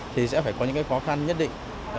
thì sẽ phải có những cái khó khăn nhất định